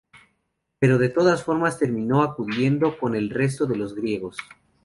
Pero de todas formas terminó acudiendo con el resto de los griegos.